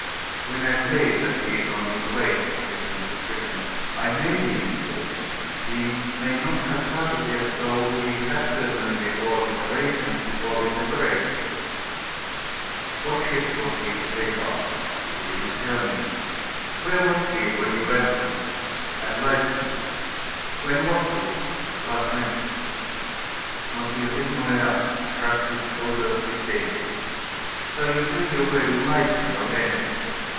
"When I say that he is on his way," resumed the prisoner, "I may be mistaken. He may not have started yet, though he had certainly made all his arrangements before we separated." "What ship was he to sail by?" "He did not tell me." "Where was he when you left him?" "At Leipsic." "When was this?" "Last Wednesday." M. Segmuller shrugged his shoulders disdainfully. "So you say you were in Leipsic on Wednesday?